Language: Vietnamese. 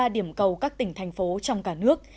sáu mươi ba điểm cầu các tỉnh thành phố trong cả nước